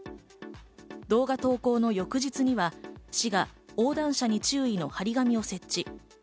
動画投稿の翌日には、市が「横断者に注意」の張り紙を設置。